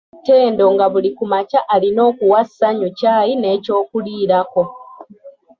Ttendo nga buli ku makya alina okuwa Ssanyu kyayi n'ekyokuliraako.